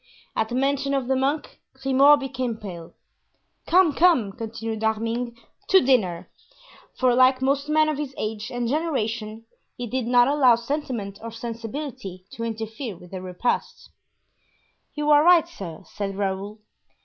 At the mention of the monk, Grimaud became pale. "Come, come," continued D'Arminges, "to dinner;" for like most men of his age and generation he did not allow sentiment or sensibility to interfere with a repast. "You are right, sir," said Raoul.